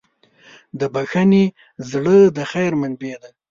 د بښنې زړه د خیر منبع ده.